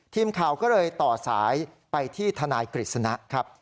ทีมข่าวก็เลยต่อสายไปที่ทนายกฤษณะครับ